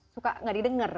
suka gak didengar